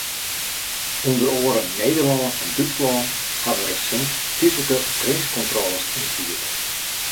Under oaren Nederlân en Dútslân hawwe resint tydlike grinskontrôles ynfierd.